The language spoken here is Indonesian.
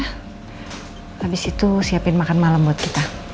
habis itu siapin makan malam buat kita